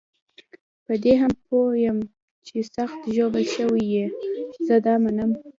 په دې هم پوه یم چې ته سخت ژوبل شوی یې، زه دا منم.